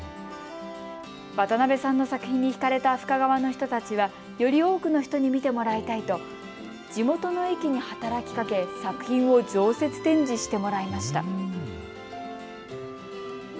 渡部さんの作品に引かれた深川の人たちはより多くの人に見てもらいたいと地元の駅に働きかけ作品を常設展示してもらいました。